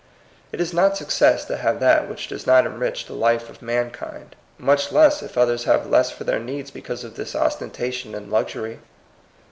It is not success to have that which does not enrich the life of mankind, much less if others have less for their needs because of this ostentation and luxury.